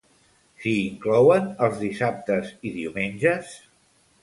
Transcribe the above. S'hi inclouen els dissabtes i diumenges?